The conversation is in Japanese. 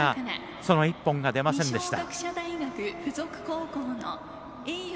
その１本が出ませんでした。